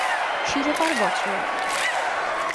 শিরোপার বছর